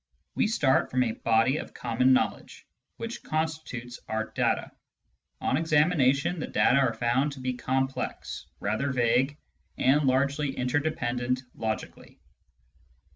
We start from a body of common knowledge, which constitutes our data. On examination, the data are found to be complex, rather vague, and largely interde pendent logically.